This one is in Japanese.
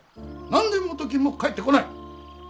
何で元金も返ってこない。